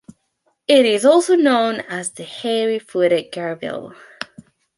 It is also known as the hairy-footed gerbil.